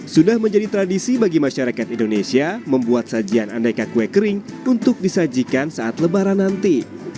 sudah menjadi tradisi bagi masyarakat indonesia membuat sajian aneka kue kering untuk disajikan saat lebaran nanti